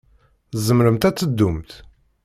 Tzemremt ad teddumt?